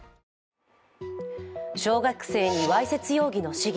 小学生にわいせつ容疑の市議。